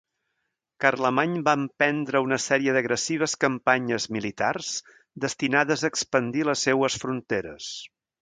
Carlemany va emprendre una sèrie d'agressives campanyes militars destinades a expandir les seues fronteres.